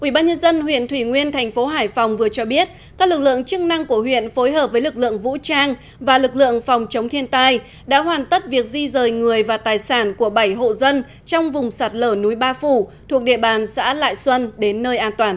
ubnd huyện thủy nguyên thành phố hải phòng vừa cho biết các lực lượng chức năng của huyện phối hợp với lực lượng vũ trang và lực lượng phòng chống thiên tai đã hoàn tất việc di rời người và tài sản của bảy hộ dân trong vùng sạt lở núi ba phủ thuộc địa bàn xã lại xuân đến nơi an toàn